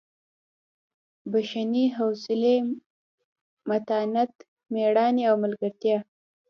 بښنې حوصلې متانت مېړانې او ملګرتیا.